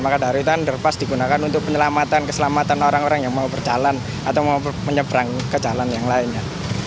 maka dari itu underpass digunakan untuk penyelamatan keselamatan orang orang yang mau berjalan atau mau menyeberang ke jalan yang lainnya